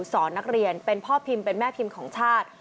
สอนนักเรียนเป็นพ่อพิมพ์เป็นแม่พิมพ์ของชาติ